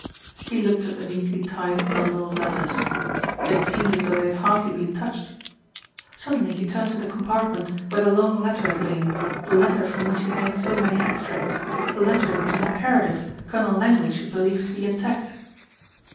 He looked at the neatly tied bundle of letters. It seemed as though they had hardly been touched. Suddenly he turned to the compartment where the long letter had lain, the letter from which he had made so many extracts, the letter it was imperative Colonel Langley should believe to be intact.